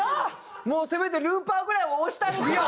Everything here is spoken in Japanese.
もうせめてルーパーぐらいは押してあげてよ！